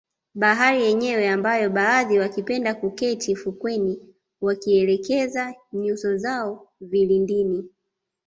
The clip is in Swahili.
Bahari yenyewe ambayo baadhi wakipenda kuketi fukweni wakielekeza nyuso zao vilindini